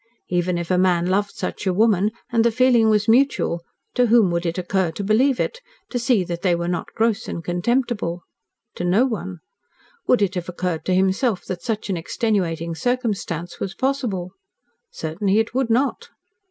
Even if a man loved such a woman, and the feeling was mutual, to whom would it occur to believe it to see that they were not gross and contemptible? To no one. Would it have occurred to himself that such an extenuating circumstance was possible? Certainly it would not.